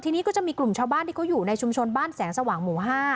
ทีนี้ก็จะมีกลุ่มชาวบ้านที่เขาอยู่ในชุมชนบ้านแสงสว่างหมู่๕